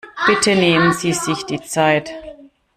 Bitte nehmen sie sich die Zeit.